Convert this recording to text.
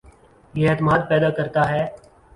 یہ اعتماد پیدا کرتا ہے